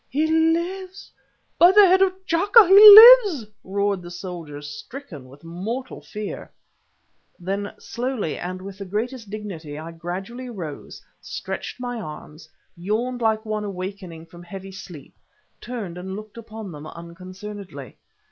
"He lives! by the head of T'Chaka he lives!" roared the soldiers, stricken with mortal fear. Then slowly and with the greatest dignity I gradually arose, stretched my arms, yawned like one awaking from heavy sleep, turned and looked upon them unconcernedly.